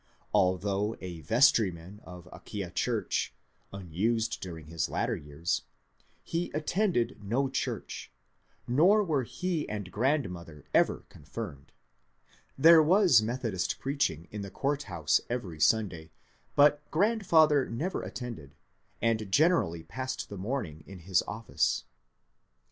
Al though a vestryman of Aquia church (unused during his later years), he* attended no church, nor were he and grand mother ever *^ confirmed." There was Methodist preaching in the court house every Sunday, but grandfather never attended, and generally passed the morning in his office.